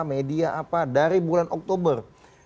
media apa dari bulan oktober dua ribu dua puluh dua